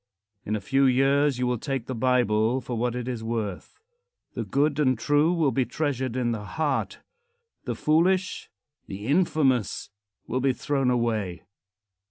In a few years you will take the Bible for what it is worth. The good and true will be treasured in the heart; the foolish, the infamous, will be thrown away.